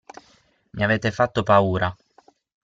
Mi avete fatto paura!